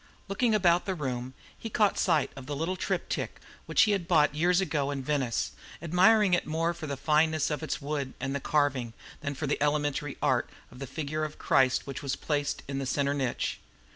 Looking about the room, he caught sight of a little triptych which he had bought years ago in Venice, admiring it more for the fineness of the wood and the carving than for the elementary art of the figure of Christ which was placed in the centre niche.